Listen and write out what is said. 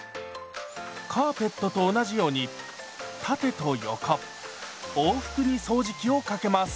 カーペットと同じように縦と横往復に掃除機をかけます。